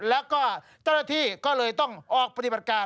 แล้วก็เจ้าหน้าที่ก็เลยต้องออกปฏิบัติการ